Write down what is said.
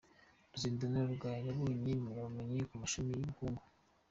Ruzindana Rugasa: yabonye impamyabumenyi mu gashami k’Ubukungu.